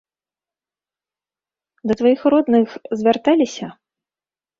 Да тваіх родных звярталіся?